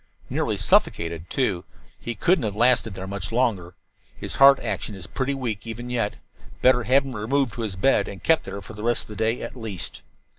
"Nearly suffocated, too. He couldn't have lasted there much longer. His heart action is pretty weak even yet. Better have him removed to his bed, and kept there for the rest of the day, at least."